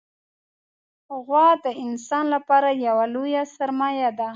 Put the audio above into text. غوا د انسان لپاره یوه لویه سرمایه ده.